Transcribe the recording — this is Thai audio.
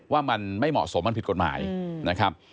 ว่ามันไม่เหมาะสมมันผิดกฎหมายนะครับ